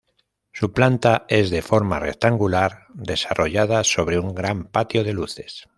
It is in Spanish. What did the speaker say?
Su planta es de forma rectangular desarrollada sobre un gran patio de luces.